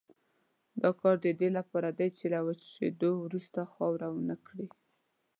دا کار د دې لپاره دی چې له وچېدلو وروسته خاوره ونه کړي.